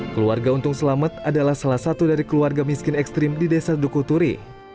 keluarga untung selamat adalah salah satu dari keluarga miskin ekstrim di desa dukuturi